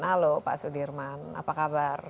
halo pak sudirman apa kabar